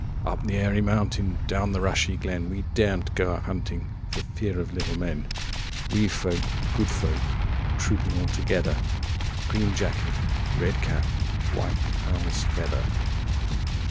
Up the airy mountain, Down the rushy glen, 50 We daren't go a hunting For fear of little men; Wee folk, good folk, Trooping all together; Green jacket, red cap, 55 And white owl's feather!